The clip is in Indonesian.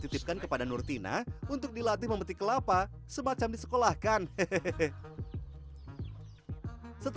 dua bulan sudah nurtina melatih u bliss